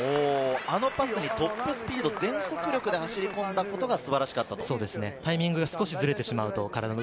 あのパスにトップスピード、全速力で入ったことが素晴らしかったですね。